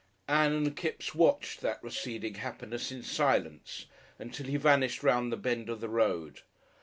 Ann and Kipps watched that receding happiness in silence, until he vanished round the bend of the road.